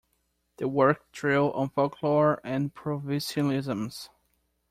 The work drew on folklore and provincialisms.